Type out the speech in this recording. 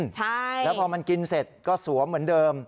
ใช่แล้วพอมันกินเสร็จก็สวมเหมือนเดิม